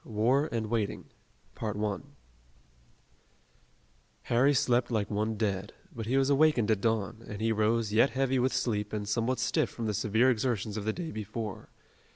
WAR AND WAITING Harry slept like one dead, but he was awakened at dawn, and he rose yet heavy with sleep and somewhat stiff from the severe exertions of the day before.